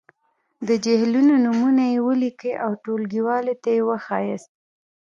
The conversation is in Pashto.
د جهیلونو نومونويې ولیکئ او ټولګیوالو ته یې وښایاست.